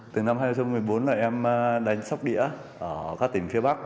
từ năm hai nghìn một mươi bốn là em đánh sóc đĩa ở các tỉnh phía bắc